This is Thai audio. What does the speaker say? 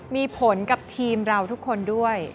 มีผลกับทีมเราทุกคนด้วย